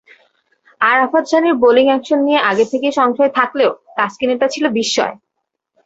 আরাফাত সানির bowling action নিয়ে আগে থেকেই সংশয় থাকলেও তাসকিনেরটা ছিল বিস্ময়।